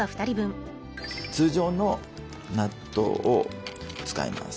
通常の納豆を使います。